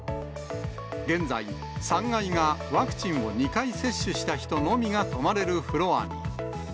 現在、３階がワクチンを２回接種した人のみが泊まれるフロアに。